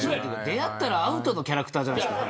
出会ったらアウトのキャラクターじゃないですか。